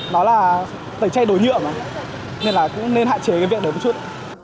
nó là phải chay đồ nhựa mà nên là cũng nên hạn chế cái việc đó một chút